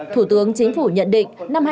thủ tướng chính phủ nhận định